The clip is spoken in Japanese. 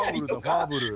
ファーブル！